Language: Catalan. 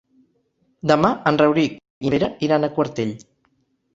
Demà en Rauric i en Pere iran a Quartell.